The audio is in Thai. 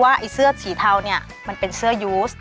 ไอ้เสื้อสีเทาเนี่ยมันเป็นเสื้อยูส